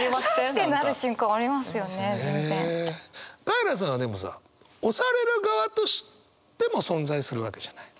カエラさんはでもさ推される側としても存在するわけじゃない。